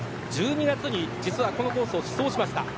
１２月にこのコースを試走しました。